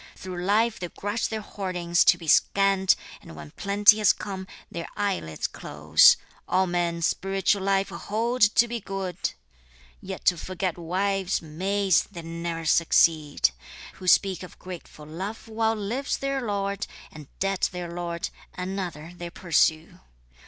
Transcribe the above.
Through life they grudge their hoardings to be scant, And when plenty has come, their eyelids close. All men spiritual life hold to be good, Yet to forget wives, maids, they ne'er succeed! Who speak of grateful love while lives their lord, And dead their lord, another they pursue.